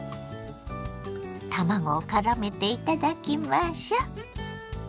卵をからめていただきましょ。